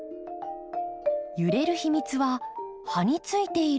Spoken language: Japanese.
揺れる秘密は葉についている